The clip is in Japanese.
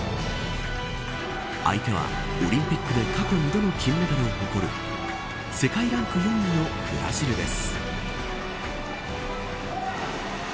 相手はオリンピックで過去二度の金メダルを誇る世界ランク４位のブラジルです。